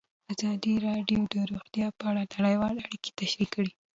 ازادي راډیو د روغتیا په اړه نړیوالې اړیکې تشریح کړي.